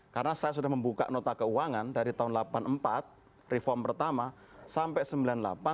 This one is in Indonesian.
karena saya sudah membuka nota keuangan dari tahun seribu sembilan ratus delapan puluh empat reform pertama sampai seribu sembilan ratus sembilan puluh delapan